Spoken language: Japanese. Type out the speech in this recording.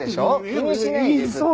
気にしないですって。